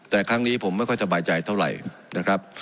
แต่ครั้งนี้ผมไม่ค่อยสบายใจเท่าไหร่นะครับ